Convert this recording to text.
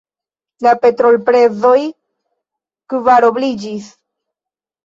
La petrolprezoj kvarobliĝis.